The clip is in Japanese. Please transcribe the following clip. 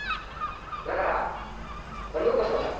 だから鬼ごっこしましょう。